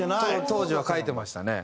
当時は書いてましたね。